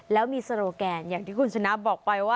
แล้วมีโซโลแกนอย่างที่คุณชนะบอกไปว่า